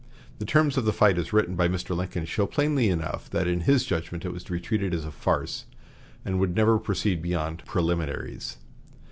The terms of the fight as written by Mr. Lincoln show plainly enough that in his judgment it was to be treated as a farce, and would never proceed beyond "preliminaries."